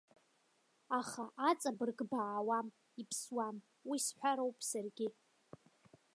Аха аҵабырг баауам, иԥсуам, уи сҳәароуп саргьы.